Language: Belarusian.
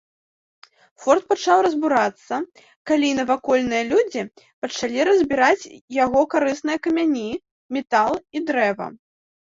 Форт пачаў разбурацца, калі навакольныя людзі пачалі разбіраць яго карысныя камяні, метал і дрэва.